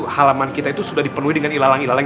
halaman kita itu sudah dipenuhi dengan ilalang ilalang